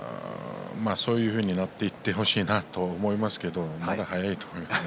そういうふうになっていってほしいなと思いますけれどもまだ早いと思いますね